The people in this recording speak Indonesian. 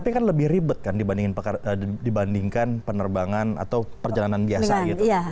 tapi kan lebih ribet kan dibandingkan penerbangan atau perjalanan biasa gitu